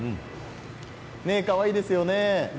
かわいいですよね。